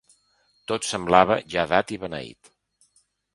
Tot semblava ja dat i beneït.